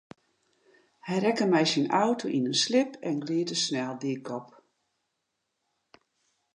Hy rekke mei syn auto yn in slip en glied de sneldyk op.